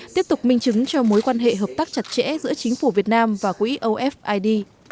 tiếp tục minh chứng cho mối quan hệ hợp tác chặt chẽ giữa chính phủ việt nam và quỹ ofid